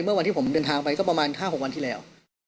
เมื่อวันที่ผมเดินทางไปก็ประมาณ๕๖วันที่แล้ว